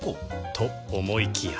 と思いきや